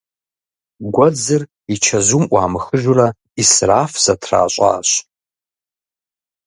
Гуэдзыр и чэзум ӏуамыхыжурэ ӏисраф зэтращӏащ.